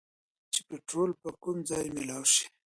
چې پيټرول به کوم ځايې مېلاؤ شي